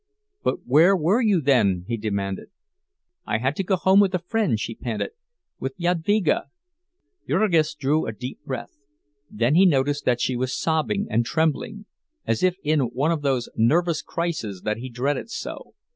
"But where were you then?" he demanded. "I had to go home with a friend," she panted—"with Jadvyga." Jurgis drew a deep breath; but then he noticed that she was sobbing and trembling—as if in one of those nervous crises that he dreaded so.